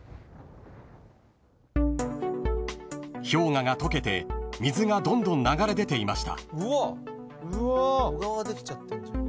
［氷河が溶けて水がどんどん流れ出ていました］